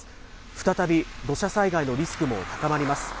再び土砂災害のリスクも高まります。